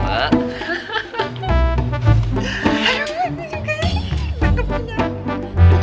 mak sabar mak